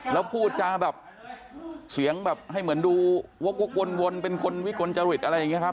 แล้วพูดจาแบบเสียงแบบให้เหมือนดูวกวนเป็นคนวิกลจริตอะไรอย่างนี้ครับ